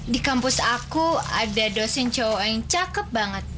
di kampus aku ada dosen co yang cakep banget